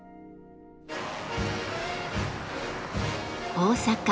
大阪。